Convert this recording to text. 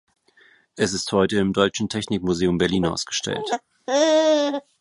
Es ist heute im Deutschen Technikmuseum Berlin ausgestellt.